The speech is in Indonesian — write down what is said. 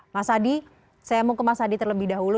mas adi saya mau ke mas adi terlebih dahulu